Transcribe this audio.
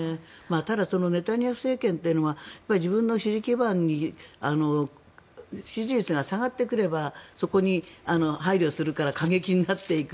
ただ、ネタニヤフ政権というのは自分の支持基盤に支持率が下がってくればそこに配慮するから過激になっていく。